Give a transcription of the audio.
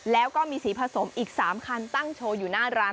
แล้วก็มีสีผสมอีก๓คันตั้งโชว์อยู่หน้าร้าน